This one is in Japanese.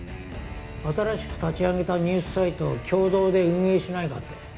新しく立ち上げたニュースサイトを共同で運営しないかって。